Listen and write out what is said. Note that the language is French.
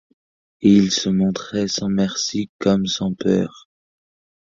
Et il se montrait sans merci comme sans peur.